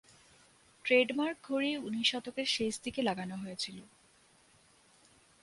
Trademark ঘড়ি উনিশ শতকের শেষদিকে লাগানো হয়েছিল।